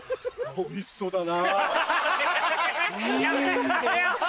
おいしそうだな。